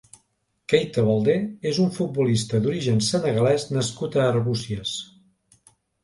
Keita Baldé és un futbolista d'origen senegalès nascut a Arbúcies.